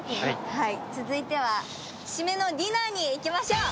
続いてはシメのディナーにまいりましょう。